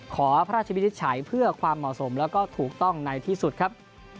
ขอพระราชวินิจฉัยเพื่อความเหมาะสมแล้วก็ถูกต้องในที่สุดครับ